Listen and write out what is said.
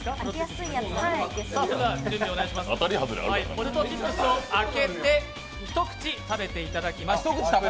ポテトチップスを開けて一口食べていただきます。